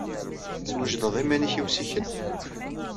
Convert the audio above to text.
Teswejdeḍ iman-nnek i ussikel?